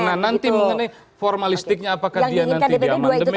nah nanti mengenai formalistiknya apakah dia nanti di amandemen atau seperti apa